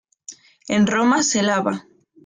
En Roma se lava.